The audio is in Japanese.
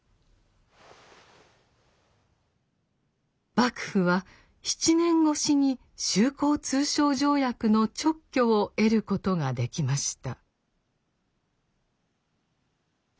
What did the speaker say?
幕府は７年越しに修好通商条約の勅許を得ることができました。